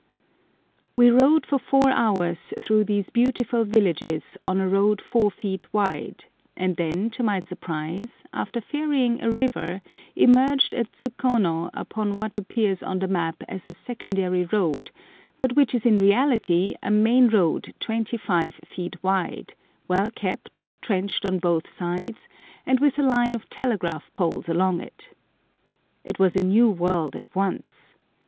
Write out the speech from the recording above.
We rode for four hours through these beautiful villages on a road four feet wide, and then, to my surprise, after ferrying a river, emerged at Tsukuno upon what appears on the map as a secondary road, but which is in reality a main road 25 feet wide, well kept, trenched on both sides, and with a line of telegraph poles along it. It was a new world at once.